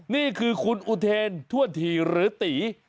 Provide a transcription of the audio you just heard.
นี่คือคุณอุเทนถ้วนถี่หรือตี